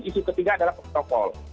isu ketiga adalah protokol